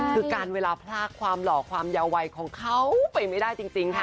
คือการเวลาพลากความหล่อความยาววัยของเขาไปไม่ได้จริงค่ะ